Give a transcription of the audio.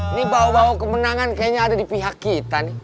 ini bawa bawa kemenangan kayanya ada di pihak kita nih